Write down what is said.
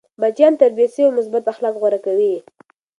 بچيان تربیت سوي او مثبت اخلاق غوره کوي.